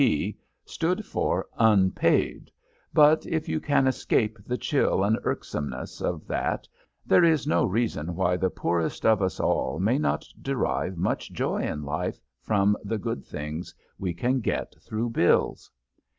P., stood for Un Paid, but if you can escape the chill and irksomeness of that there is no reason why the poorest of us all may not derive much real joy in life from the good things we can get through Bills.